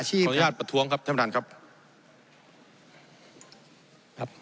ขออนุญาตประท้วงครับ